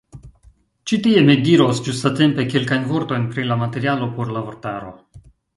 Ĉi tie mi diros ĝustatempe kelkajn vortojn pri la materialo por la vortaro.